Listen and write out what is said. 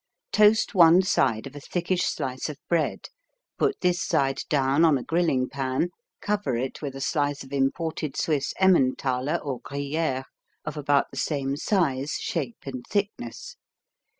Toast one side of a thickish slice of bread, put this side down on a grilling pan, cover it with a slice of imported Swiss Emmentaler or Gruyère, of about the same size, shape and thickness.